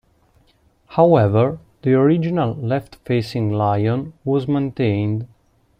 However, the original left-facing lion was maintained.